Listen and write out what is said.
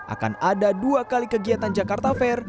akan ada dua kali kegiatan jakarta fair